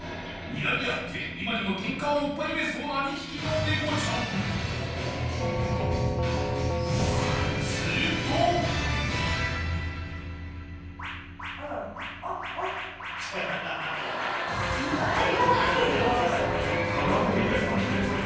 ［にらみ合って今にもケンカをおっ始めそうな２匹の猫ちゃん］カワイイ。